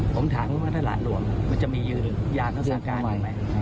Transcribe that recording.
ผมถามว่าถ้าหลานหลวงมันจะมียืนยามทั้งสารการหรือไม่